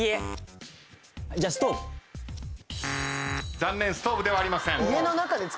残念ストーブではありません。